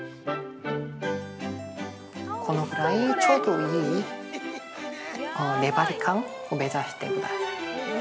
◆このぐらい、ちょうどいい粘り感を目指してください。